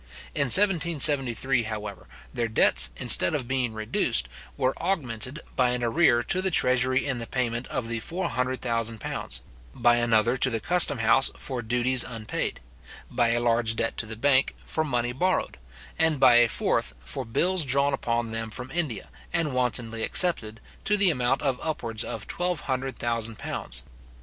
In 1773, however, their debts, instead of being reduced, were augmented by an arrear to the treasury in the payment of the four hundred thousand pounds; by another to the custom house for duties unpaid; by a large debt to the bank, for money borrowed; and by a fourth, for bills drawn upon them from India, and wantonly accepted, to the amount of upwards of twelve hundred thousand pounds.